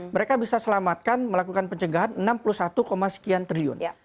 mereka bisa selamatkan melakukan pencegahan enam puluh satu sekian triliun